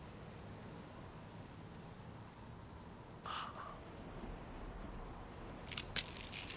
ああ。